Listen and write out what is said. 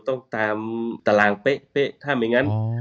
ต้องตามตารางเป๊ะถ้าไม่งั้น